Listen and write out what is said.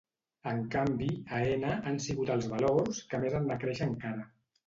En canvi, Aena han sigut els valors que més han de créixer encara.